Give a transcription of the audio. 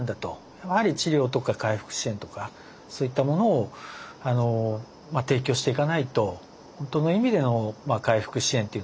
やはり治療とか回復支援とかそういったものを提供していかないと本当の意味での回復支援というのはなくて。